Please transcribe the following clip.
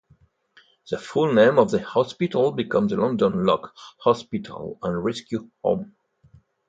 The full name of the hospital became the London Lock Hospital and Rescue Home.